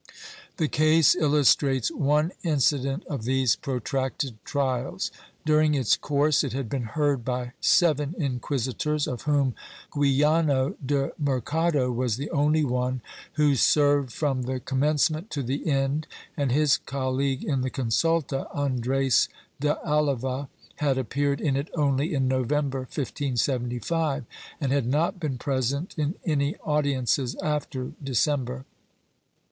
^ The case illustrates one incident of these protracted trials. During its course it had been heard by seven inquisitors, of whom Guijano de Mercado was the only one who served from the com mencement to the end, and his colleague in the consulta, Andres de Alava, had appeared in it only in November, 1575, and had not been present in any audiences after December.